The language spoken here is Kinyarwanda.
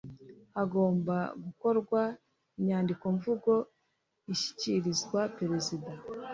Hagomba gukorwa inyandikomvugo ishyikirizwa Perezida